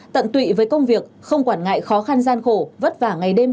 tận tụy với công việc không quản ngại khó khăn gian khổ vất vả ngày đêm